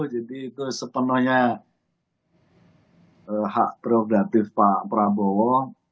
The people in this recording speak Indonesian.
jadi itu sepenuhnya hak prioritatif pak prabowo